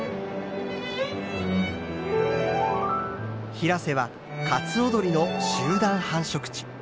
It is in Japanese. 平瀬はカツオドリの集団繁殖地。